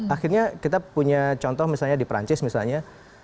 akhirnya kita punya contoh misalnya di perancis misalnya